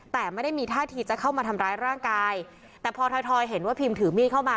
แต่ไม่ได้มีท่าทีจะเข้ามาทำร้ายร่างกายแต่พอถอยเห็นว่าพิมถือมีดเข้ามา